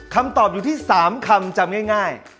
คำตอบอยู่ที่๓คำจำง่าย